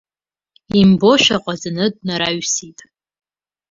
Имбошәа ҟаҵаны днараҩсит.